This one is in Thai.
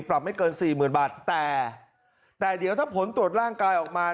ปรับไม่เกิน๔๐๐๐๐บาทแต่เดี๋ยวถ้าผลตรวจร่างกายออกมา